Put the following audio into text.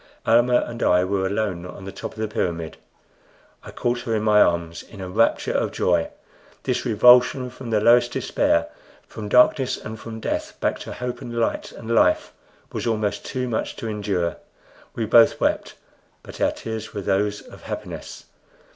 Almah and I were alone on the top of the pyramid. I caught her in my arms in a rapture of joy. This revulsion from the lowest despair from darkness and from death back to hope and light and life was almost too much to endure. We both wept, but our tears were those of happiness.